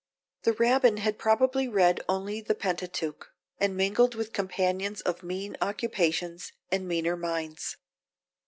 The Rabbin had probably read only the Pentateuch, and mingled with companions of mean occupations, and meaner minds.